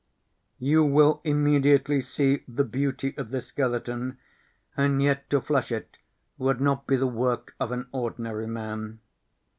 You will immediately see the beauty of this skeleton, and yet to flesh it would not be the work of an ordinary man.